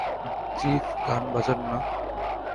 Chief, গান বাজান না।